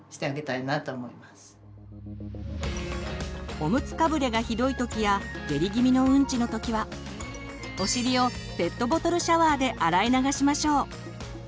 おむつかぶれがひどい時や下痢気味のうんちの時はお尻をペットボトルシャワーで洗い流しましょう。